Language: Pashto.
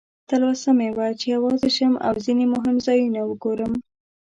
تلوسه مې وه چې یوازې شم او ځینې مهم ځایونه وګورم.